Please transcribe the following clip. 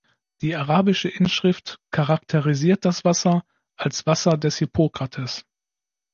Die arabische Inschrift charakterisiert das Wasser als "Wasser des Hippokrates".